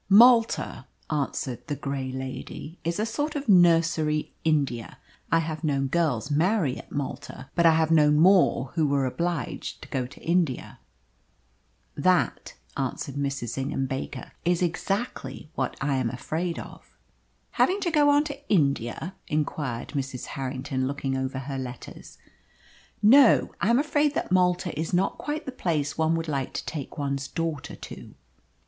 "Malta," answered the grey lady, "is a sort of Nursery India. I have known girls marry at Malta, but I have known more who were obliged to go to India." "That," answered Mrs. Ingham Baker, "is exactly what I am afraid of." "Having to go on to India?" inquired Mrs. Harrington, looking over her letters. "No. I am afraid that Malta is not quite the place one would like to take one's daughter to."